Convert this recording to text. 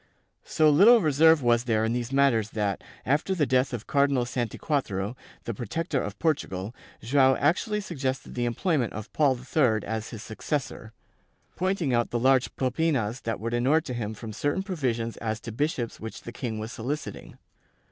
So little reserve was there in these matters that, after the death of Cardinal Santiquatro, the ''protector" of Portugal, Joao actually suggested the employment of Paul III as his successor, pointing out the large "propinas" that would enure to him from certain provisions as to bishops which the king was soliciting.